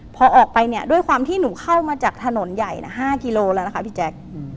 พอออกไปเนี่ยด้วยความที่หนูเข้ามาจากถนนใหญ่๕กิโลแล้วนะคะพี่แจ๊ค